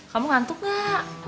kamu ngantuk gak